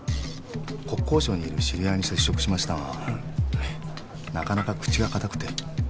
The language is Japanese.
国交省にいる知り合いに接触しましたがなかなか口が堅くて。